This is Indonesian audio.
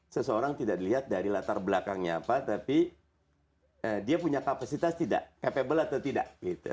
seseorang tidak dilihat dari latar belakangnya apa tapi dia punya kapasitas tidak capable atau tidak